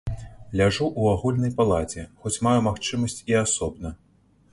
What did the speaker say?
Ляжу ў агульнай палаце, хоць маю магчымасць і асобна.